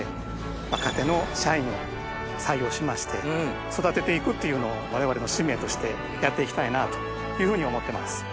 若手の社員を採用しまして育てていくっていうのを我々の使命としてやっていきたいというふうに思ってます。